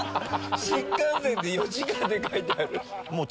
「新幹線で４時間」って書いてある。